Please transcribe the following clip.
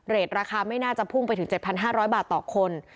ราคาไม่น่าจะพุ่งไปถึง๗๕๐๐บาทต่อคน